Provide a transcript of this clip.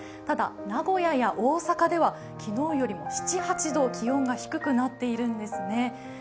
ただ名古屋や大阪では昨日より７８度気温が低くなっているんですね